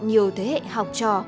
nhiều thế hệ học trò